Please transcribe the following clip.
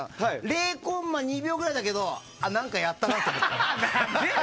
０コンマ２秒ぐらいだけど何かやったなって思って。